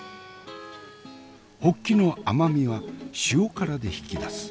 ほっきの甘みは塩辛で引き出す。